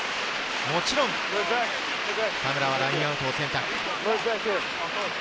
もちろん田村はラインアウトを選択。